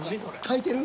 炊いてる？